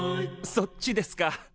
そっちですか。